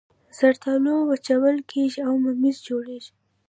زردالو وچول کیږي او ممیز جوړوي